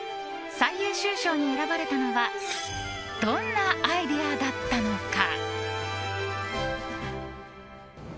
最優秀賞に選ばれたのはどんなアイデアだったのか。